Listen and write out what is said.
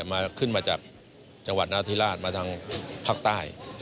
มาขึ้นมาจากจังหวัดนาธิราชมาทางภาคใต้